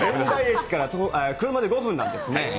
仙台駅から車で５分なんですね。